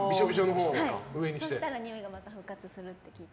そしたら、においがまた復活するって聞いて。